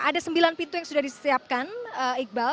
ada sembilan pintu yang sudah disiapkan iqbal